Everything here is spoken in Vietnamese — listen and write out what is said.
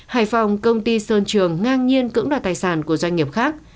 hải phòng công ty sơn trường ngang nhiên cưỡng đoạt tài sản của doanh nghiệp khác